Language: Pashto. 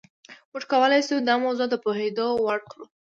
موږ کولای شو دا موضوع د پوهېدو وړ کړو.